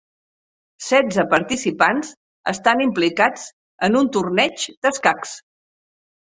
Setze participants estan implicats en un torneig d'escacs.